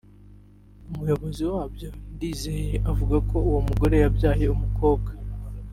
umuyobozi wabyo Ndizeye avuga ko uwo mugore yabyaye umukobwa